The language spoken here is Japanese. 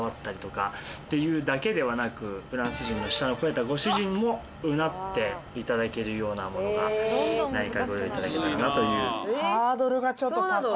フランス人の舌の肥えたご主人もうなっていだたけるようなものが何かご用意いただけたらなという。